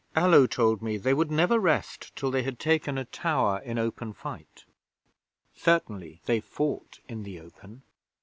Allo told me they would never rest till they had taken a tower in open fight. Certainly they fought in the open.